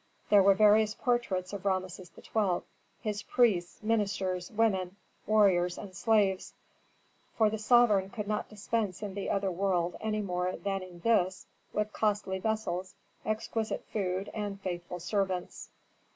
There were various portraits of Rameses XII., his priests, ministers, women, warriors, and slaves; for the sovereign could not dispense in the other world any more than in this with costly vessels, exquisite food and faithful servants.